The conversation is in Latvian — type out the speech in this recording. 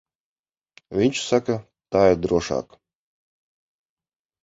Viņš saka, tā ir drošāk.